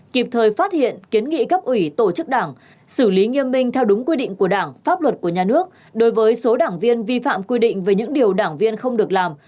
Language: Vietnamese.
kịp thời phát hiện kiến nghị cấp ủy tổ chức đảng xử lý nghiêm minh theo đúng quy định của đảng pháp luật của nhà nước đối với số đảng viên vi phạm quy định về những điều đảng viên không được làm